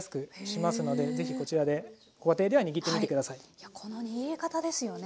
いやこの握り方ですよね。